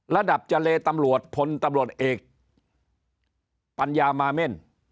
ระดับเจรตำรวจพลตำรวจเอกปัญญามาเม่น